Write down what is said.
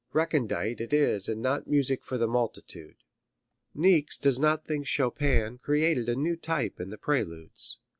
Recondite it is and not music for the multitude. Niecks does not think Chopin created a new type in the Preludes.